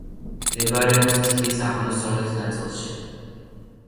მდებარეობს ტბის აღმოსავლეთ ნაწილში.